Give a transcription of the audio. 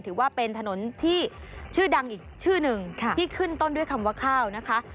ถือว่าเป็นถนนที่ชื่อดังอีกชื่อหนึ่งที่ขึ้นต้นด้วยคำว่าข้าวนะคะ